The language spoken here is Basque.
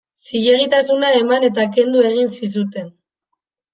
Zilegitasuna eman eta kendu egin zizuten.